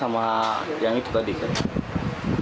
sama yang itu tadi kan